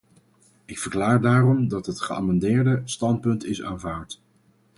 Ik verklaar daarom dat het geamendeerde standpunt is aanvaard.